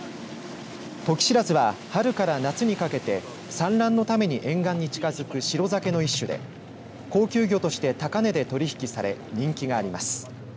トキシラズは、春から夏にかけて産卵のために沿岸に近づくシロサケの一種で高級魚として高値で取り引きされ人気があります。